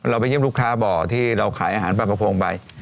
ไปเยี่ยมลูกค้าบ่อที่เราขายอาหารปลากระโพงไป